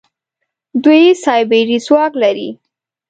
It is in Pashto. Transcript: دوی سايبري ځواک لري.